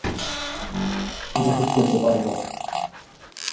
এটা ঠিক করতে পারবো।